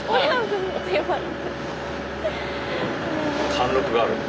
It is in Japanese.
貫禄があるほら。